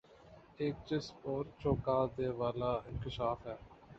ایک چسپ اور چونکا د والا انکشاف ہے